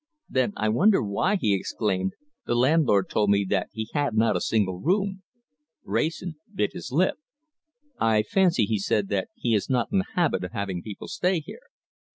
"Then I wonder why," he exclaimed, "the landlord told me that he had not a single room." Wrayson bit his lip. "I fancy," he said, "that he is not in the habit of having people stay here."